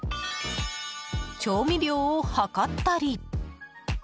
調味料を計ったり。